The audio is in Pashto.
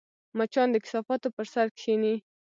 مچان د کثافاتو پر سر کښېني